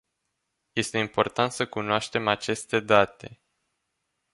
Este important să cunoaștem aceste date.